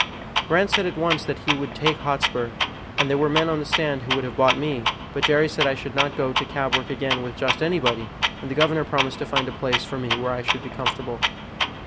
Grant said at once that he would take Hotspur, and there were men on the stand who would have bought me; but Jerry said I should not go to cab work again with just anybody, and the governor promised to find a place for me where I should be comfortable.